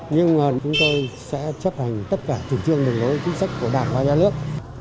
nhưng chúng tôi sẽ chấp hành tất cả chủ trương đồng lối kinh sách của đảng và nhà nước